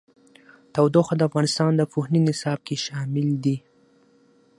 تودوخه د افغانستان د پوهنې نصاب کې شامل دي.